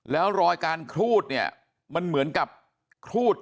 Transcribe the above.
แล้วก็ยัดลงถังสีฟ้าขนาด๒๐๐ลิตร